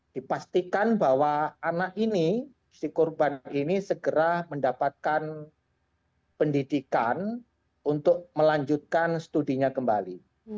dipastikan bahwa anak ini si korban ini segera mendapatkan pendidikan untuk melanjutkan studinya kembali